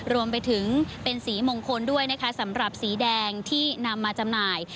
รวมไปถึงเป็นสีมงคลด้วยนะคะสำหรับสีแดงที่นำมาจำหน่าย